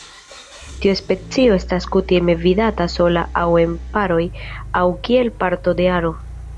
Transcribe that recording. Tiu specio estas kutime vidata sola aŭ en paroj aŭ kiel parto de aro.